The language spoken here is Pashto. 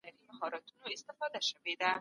ښځې ته نفقه ورکول واجب دي.